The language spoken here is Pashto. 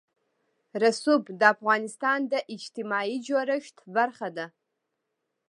رسوب د افغانستان د اجتماعي جوړښت برخه ده.